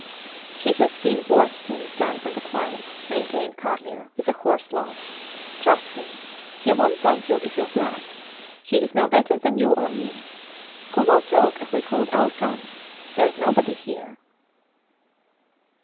He has seen worse things done on the quiet, maintained Carlier, with a hoarse laugh. Trust him! He wont thank you if you blab. He is no better than you or me. Who will talk if we hold our tongues? There is nobody here.